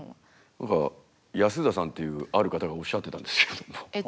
何か安田さんというある方がおっしゃってたんですけれども。